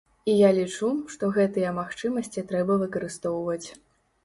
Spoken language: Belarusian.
І я лічу, што гэтыя магчымасці трэба выкарыстоўваць.